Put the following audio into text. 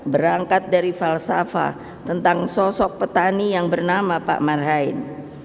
berangkat dari falsafah tentang sosok petani yang bernama pak marhain